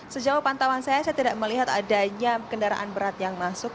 sejauh pantauan saya saya tidak melihat adanya kendaraan berat yang masuk